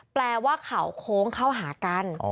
แปลว่าเขาโค้งเข้าหากัน